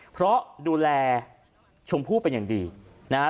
เพราะดูแลชมพู่เป็นอย่างดีนะฮะ